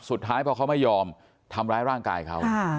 สุดท้ายพอเขาไม่ยอมทำร้ายร่างกายเขา